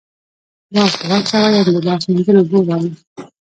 لاس واچوه ، یعنی د لاس مینځلو اوبه راوړه